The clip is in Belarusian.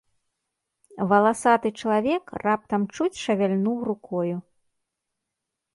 Валасаты чалавек раптам чуць шавяльнуў рукою.